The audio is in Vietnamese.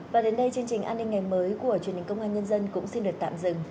và đến đây chương trình an ninh ngày mới của truyền hình công an nhân dân cũng xin được tạm dừng